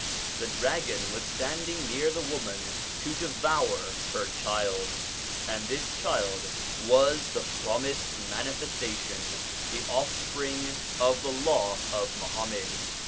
The dragon was standing near the woman to devour her child, and this child was the promised Manifestation, the offspring of the Law of Muhammad.